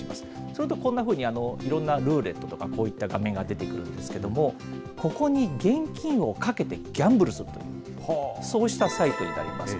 すると、こんなふうにいろんなルーレットとか、こういった画面が出てくるんですけども、ここに現金を賭けてギャンブルするという、そうしたサイトになります。